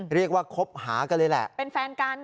คบหากันเลยแหละเป็นแฟนกัน